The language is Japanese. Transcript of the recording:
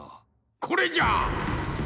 これじゃ！